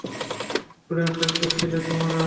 জোড়া ফেলটুস ছিলে তোমরা!